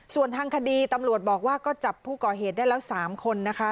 ส่วนทางคดีตำรวจบอกว่าก็จับผู้ก่อเหตุได้แล้ว๓คนนะคะ